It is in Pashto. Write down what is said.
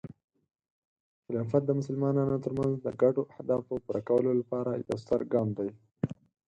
خلافت د مسلمانانو ترمنځ د ګډو اهدافو پوره کولو لپاره یو ستر ګام دی.